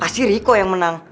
pasti riku yang menang